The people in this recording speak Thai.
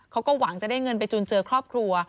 เขาก็หวังจะได้เงินไปจุนเจอครอบครัว